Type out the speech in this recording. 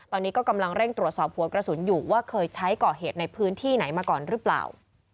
ตอนนี้ก็กำลังเร่งตรวจสอบหัวกระสุนอยู่ว่าเคยใช้ก่อเหตุในพื้นที่ไหนมาก่อนหรือเปล่า